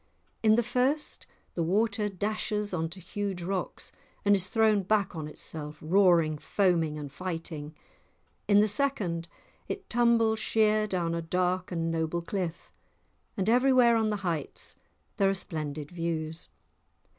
In the first the water dashes on to huge rocks, and is thrown back on itself, roaring, foaming, and fighting; in the second, it tumbles sheer down a dark and noble cliff. And everywhere on the heights there are splendid views.